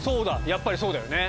やっぱりそうだよね。